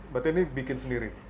berarti ini bikin sendiri